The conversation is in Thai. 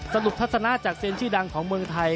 ทัศนะจากเซียนชื่อดังของเมืองไทย